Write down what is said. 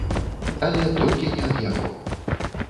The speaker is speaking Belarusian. Але толькі не ад яго.